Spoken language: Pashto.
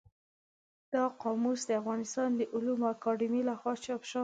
دا قاموس د افغانستان د علومو اکاډمۍ له خوا چاپ شوی دی.